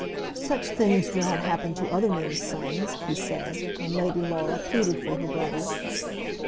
"Such things do not happen to other men's sons," he said, when Lady Laura pleaded for her brother.